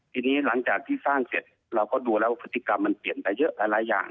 ทีนี้หลังจากที่สร้างเสร็จเราก็ดูแล้วพฤติกรรมมันเปลี่ยนไปเยอะหลายอย่าง